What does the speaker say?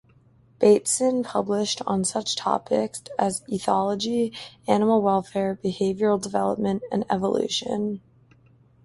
Bateson published on such topics as ethology, animal welfare, behavioral development and evolution.